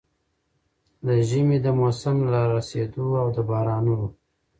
د ژمي د موسم له را رسېدو او د بارانونو